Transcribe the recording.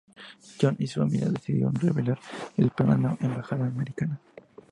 John y su familia deciden revelar el plan a la embajada americana.